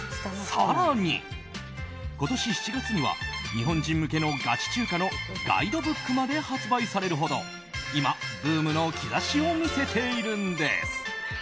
更に、今年７月には日本人向けのガチ中華のガイドブックまで発売されるほど今、ブームの兆しを見せているんです。